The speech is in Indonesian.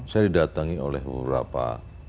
saya didatangi oleh beberapa